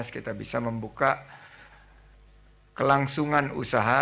kita bisa membuka kelangsungan usaha